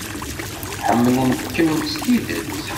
Ḥemmlent-kem s tidet.